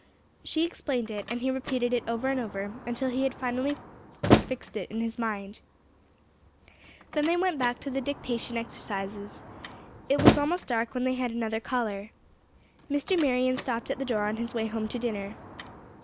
She explained it, and he repeated it over and over, until he had it firmly fixed in his mind. Then they went back to the dictation exercises. It was almost dark when they had another caller. Mr. Marion stopped at the door on his way home to dinner.